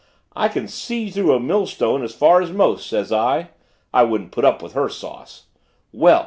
'I can see through a millstone as far as most,' says I I wouldn't put up with her sauce. 'Well!'